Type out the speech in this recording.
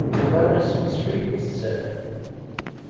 Baba, isem-is Fritz.